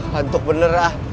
hantuk bener ah